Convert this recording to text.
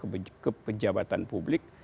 atau di dalam kepejabatan publik